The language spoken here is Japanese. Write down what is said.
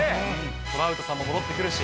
トラウトさんも戻ってくるし。